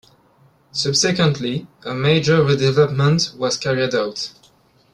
Subsequently a major redevelopment was carried out.